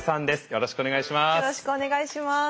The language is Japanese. よろしくお願いします。